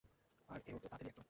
আর এও তো তাদেরই একজন।